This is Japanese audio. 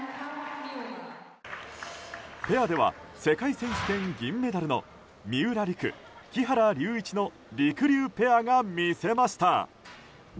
ペアでは世界選手権、銀メダルの三浦璃来、木原龍一のりくりゅうペアが見せました。